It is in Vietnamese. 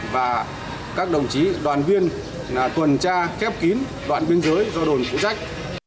và các đồng chí đoàn viên tuần tra khép kín đoạn biên giới do đồn phụ trách